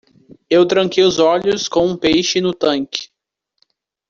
Eu tranquei os olhos com um peixe no tanque.